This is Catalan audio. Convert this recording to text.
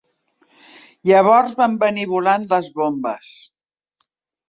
Llavors van venir volant les bombes.